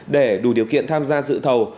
để đủ điều kiện tham gia dự thầu